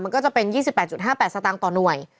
ก็จะเป็น๒๘๕๘สตางค์ต่อหน่วย